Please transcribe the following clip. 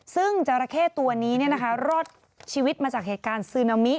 ซึ่งจราเข้ตัวนี้รอดชีวิตมาจากเหตุการณ์ซึนามิ